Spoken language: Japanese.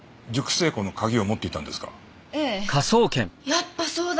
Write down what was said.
やっぱそうだ。